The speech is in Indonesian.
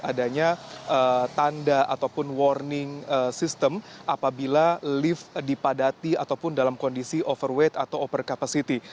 adanya tanda ataupun warning system apabila lift dipadati ataupun dalam kondisi overweight atau over capacity